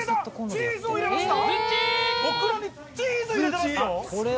チーズを入れた？